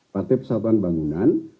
partai persatuan bangunan